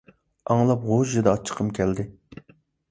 ئاڭلاپ غۇژژىدە ئاچچىقىم كەلدى.